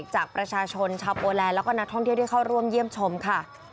จากประชาชนชาวโปแลนดแล้วก็นักท่องเที่ยวที่เข้าร่วมเยี่ยมชมค่ะ